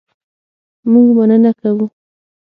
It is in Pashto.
مونږ مننه کوو